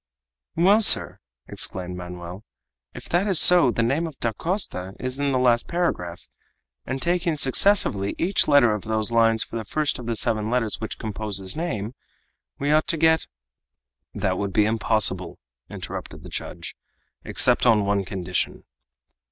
"Well, sir!" exclaimed Manoel, "if that is so, the name of Dacosta is in the last paragraph; and taking successively each letter of those lines for the first of the seven letters which compose his name, we ought to get " "That would be impossible," interrupted the judge, "except on one condition."